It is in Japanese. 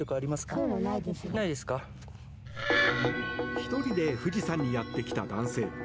１人で富士山にやってきた男性。